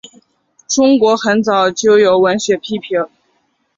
中国很早就有文学批评。